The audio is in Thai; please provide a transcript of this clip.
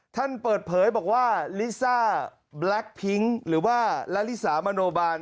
ท่านเปิดเผยบอกว่าลิซ่าแบล็คพิ้งหรือว่าลาลิสามโนบาล